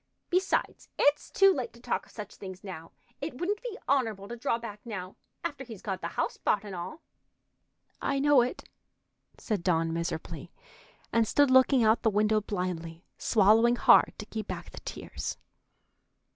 Besides, it's too late to talk of such things now. It wouldn't be honorable to draw back now, after he's got the house bought and all." "I know it," said Dawn miserably, and stood looking out the window blindly, swallowing hard to keep back the tears.